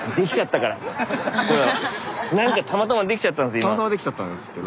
たまたまできちゃったんですけど。